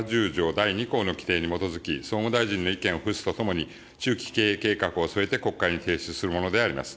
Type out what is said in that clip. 第２項の規定に基づき、総務大臣の意見を付すとともに、中期経営計画を添えて国会に提出するものであります。